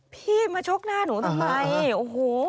พี่มาชกหน้าหนูทำไมโอ้โห